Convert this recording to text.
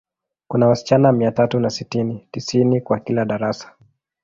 Kuna wasichana mia tatu na sitini, tisini kwa kila darasa.